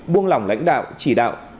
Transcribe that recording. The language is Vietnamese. buông lỏng lãnh đạo chỉ đạo